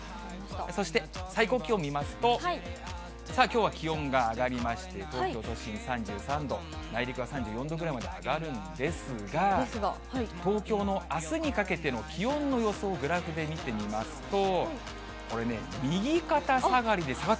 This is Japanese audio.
そして最高気温見ますと、さあ、きょうは気温が上がりまして、東京都心３３度、内陸は３４度くらいまで上がるんですが、東京のあすにかけての気温の予想をグラフで見てみますと、これね、一気に。